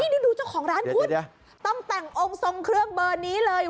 นี่ดูเจ้าของร้านคุณต้องแต่งองค์ทรงเครื่องเบอร์นี้เลย